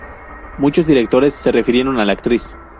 Muchos directores se refirieron a la actriz.